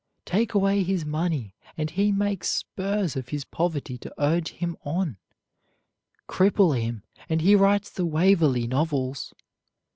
Take away his money, and he makes spurs of his poverty to urge him on. Cripple him, and he writes the Waverley Novels.